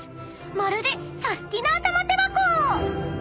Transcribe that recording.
まるでサスティな玉手箱！］